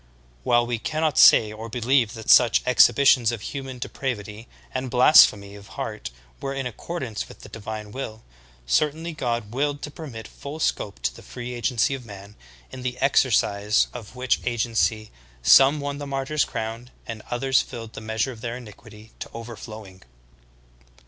While we cannot say or believe that such exhibitions of hu man depravity and blasphemy of heart were in accordance with the divine will, certainly God willed to permit full scope to the free agency of man, in the exercise of which agency some won the martyr's crown, and others filled the measure of their iniquity to overflowing.